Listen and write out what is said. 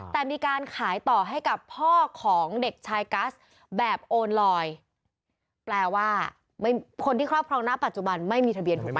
แต่มีการขายต่อให้กับพ่อของเด็กชายกัสแบบโอนลอยแปลว่าคนที่ครอบครองณปัจจุบันไม่มีทะเบียนถูกไหม